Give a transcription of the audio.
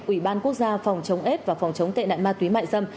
ủy ban quốc gia phòng chống s và phòng chống tệ nạn ma túy mại dâm